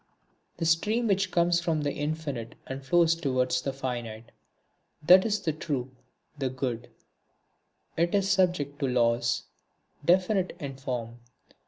The stream which comes from the Infinite and flows toward the finite that is the True, the Good; it is subject to laws, definite in form.